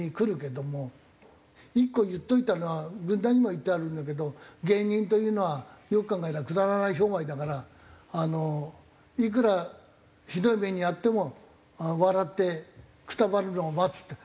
１個言っといたのは軍団にも言ってあるんだけど「芸人というのはよく考えたらくだらない商売だからいくらひどい目に遭っても笑ってくたばるのを待つ」って。